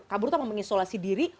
kabur itu mengisolasi diri